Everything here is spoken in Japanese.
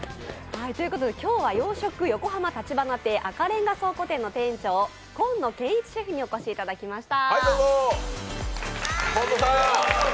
今日は洋食横濱たちばな亭、赤レンガ倉庫店の店長・紺野賢一シェフにお越しいただきました。